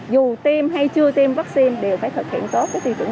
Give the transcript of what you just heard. dù tiêm hay chưa tiêm vaccine đều phải thực hiện tốt cái tỷ tưởng năm k